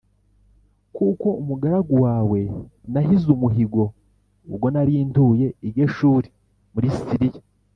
Kuko umugaragu wawe nahize umuhigo ubwo nari ntuye i Geshuri muri Siriya